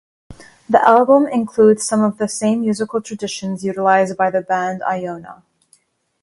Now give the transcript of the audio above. The album includes some of the same musical traditions utilised by the band Iona.